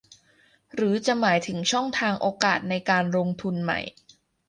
หรือจะหมายถึงช่องทางโอกาสในการลงทุนใหม่